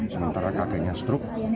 sementara kakeknya stroke